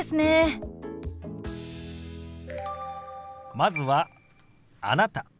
まずは「あなた」。